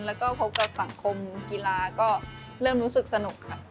แล้วก็พบกับสังคมกีฬาก็เริ่มรู้สึกสนุกค่ะ